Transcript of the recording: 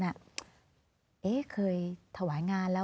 เข้าใจว่าเคยถวายงานแล้ว